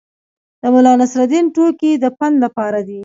د ملانصرالدین ټوکې د پند لپاره دي.